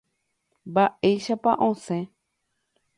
Mba'éichapa osẽ.